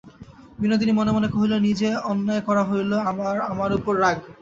বিনোদিনী মনে মনে কহিল, নিজে অন্যায় করা হইল, আবার আমার উপরে রাগ!